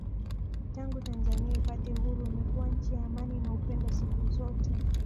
Tangu Tanzania ipate Uhuru imekuwa nchi ya amani na upendo siku zote